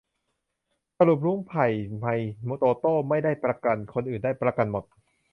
สรุป รุ้ง ไผ่ ไมค์ โตโต้ ไม่ได้ประกัน คนอื่นได้ประกันหมด